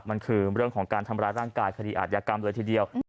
มันคือเรื่องของการทำร้ายร่างกายคดีอาจยากรรมเลยทีเดียว